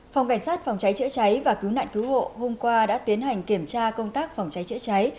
phòng cảnh sát phòng cháy chữa cháy và cứu nạn cứu hộ hôm qua đã tiến hành kiểm tra công tác phòng cháy chữa cháy